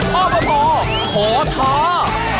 อบตขอท้า